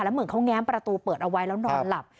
แล้วเหมือนเขาแง๊มประตูออกไปแล้วนอนหลับ